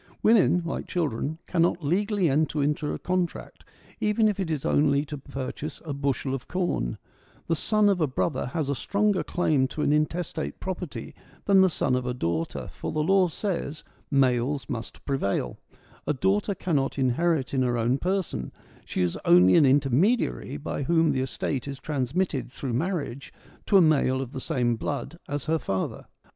Women, like children, cannot legally enter into a contract, even if it is only to purchase a bushel of corn ; the son of a brother has a stronger claim to an intestate property than the son of a daughter, for the law says, ' males must prevail '; a daughter cannot inherit in her own person ; she is only an intermediary by whom the estate is transmitted through marriage to a male of the same blood as her father.